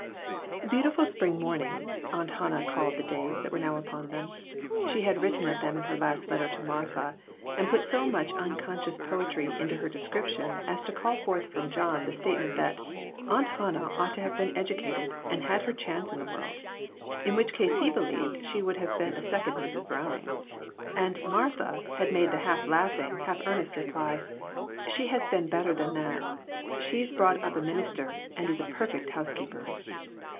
T3EAUTIFUL spring mornings," Aunt Han LJ nah called the days that were now upon them. She had written of them in her last letter to "Martha," and put so much unconscious poetry into her description as to call forth from John the statement that "Aunt Hannah ought to have been educated, and had her chance in the world"; in which case he believed she would have been a second Mrs. Browning. And "Martha" had made the half laughing, half earnest reply " She has been better than that ; she's brought up a minister, and is a perfect housekeeper."